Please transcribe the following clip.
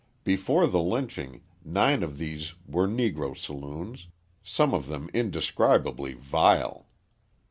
Before the lynching, nine of these were Negro saloons some of them indescribably vile.